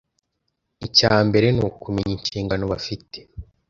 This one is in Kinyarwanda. Icya mbere ni ukumenya inshingano bafite